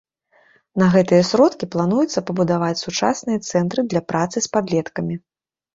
На гэтыя сродкі плануецца пабудаваць сучасныя цэнтры для працы з падлеткамі.